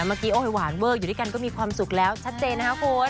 เมื่อกี้โอ้ยหวานเวอร์อยู่ด้วยกันก็มีความสุขแล้วชัดเจนนะคะคุณ